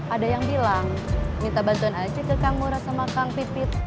ada yang bilang minta bantuan aja ke kang ngurah sama kang pipit